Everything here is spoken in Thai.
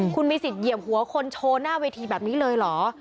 คุณมีสิทธิเหยียบหัวคนโชว์หน้าเวทีแบบนี้เลยเหรอ